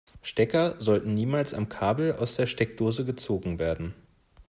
Stecker sollten niemals am Kabel aus der Steckdose gezogen werden.